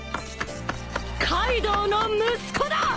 カイドウの息子だ！